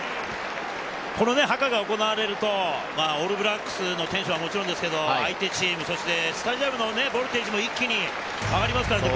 ハカが行われると、オールブラックスの選手はもちろん、相手チーム、スタジアムのボルテージも一気に上がりますからね。